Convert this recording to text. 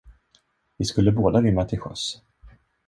Vi skulle båda rymma till sjöss.